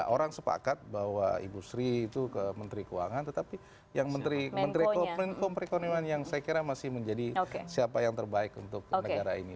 orang sepakat bahwa ibu sri itu ke menteri keuangan tetapi yang menteri perekonomian yang saya kira masih menjadi siapa yang terbaik untuk negara ini